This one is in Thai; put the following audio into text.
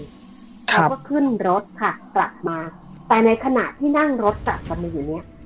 แล้วก็ขึ้นรถขับตรับมาแต่ในขณะที่นั่งรถตัดกันขนาดนี้